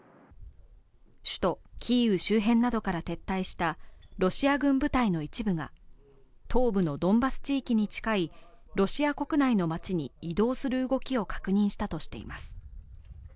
首都キーウ周辺などから撤退したロシア軍部隊の一部が東部のドンバス地域に近いロシア国内の街に移動する動きを確認したとしています。